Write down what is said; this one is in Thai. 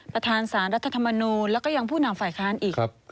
ประธานสารรัฐธรรมนูลแล้วก็ยังผู้นำฝ่ายค้านอีก